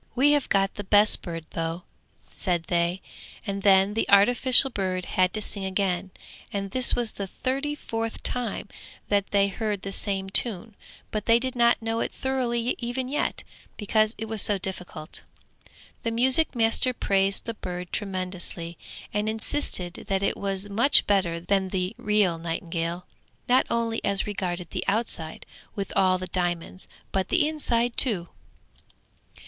'We have got the best bird though,' said they, and then the artificial bird had to sing again, and this was the thirty fourth time that they heard the same tune, but they did not know it thoroughly even yet, because it was so difficult. The music master praised the bird tremendously, and insisted that it was much better than the real nightingale, not only as regarded the outside with all the diamonds, but the inside too.